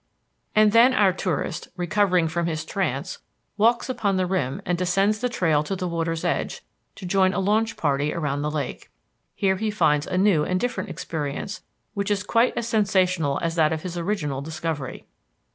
And then our tourist, recovering from his trance, walks upon the rim and descends the trail to the water's edge to join a launch party around the lake. Here he finds a new and different experience which is quite as sensational as that of his original discovery.